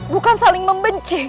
bukan saling membenci